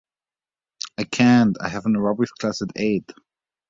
I can’t, I have an aerobics class at eight.